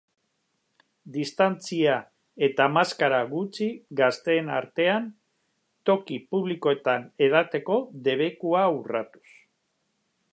Distantzia eta maskara gutxi gazteen artean, toki publikoetan edateko debekua urratuz.